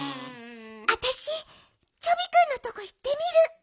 あたしチョビくんのとこいってみる。